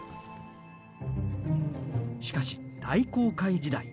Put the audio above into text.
しかし大航海時代。